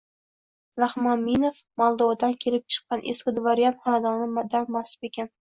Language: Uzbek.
Raxmaninov Moldovadan kelib chiqqan eski dvoryan xonadoni mansubi ekan